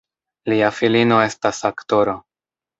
Lia filino estas aktoro.